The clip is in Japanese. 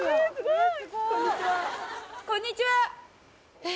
こんにちはえっ